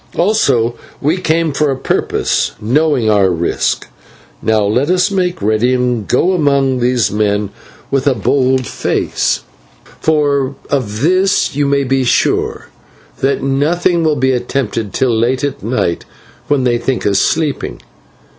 Also we came for a purpose, knowing our risk. Now let us make ready and go among these men with a bold face; for of this you may be sure, that nothing will be attempted till late at night when they think us sleeping.